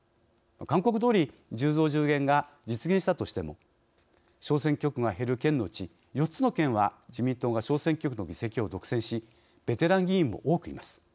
勧告どおり１０増１０減が実現したとしても小選挙区が減る県のうち４つの県は自民党が小選挙区の議席を独占しベテラン議員も多くいます。